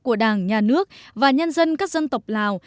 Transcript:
của đảng nhà nước và nhân dân các dân tộc lào